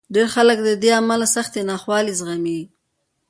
ډېر خلک له دې امله سختې ناخوالې زغمي.